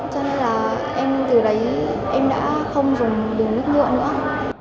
cho nên là em từ đấy em đã không dùng bình nước nhựa nữa